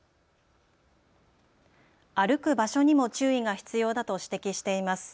歩く場所にも注意が必要だと指摘しています。